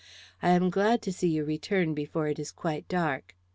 I am glad to see you return before it is quite dark."